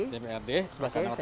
dprd sebelah kanan kotaknya